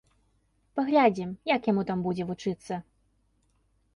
Паглядзім, як яму там будзе вучыцца.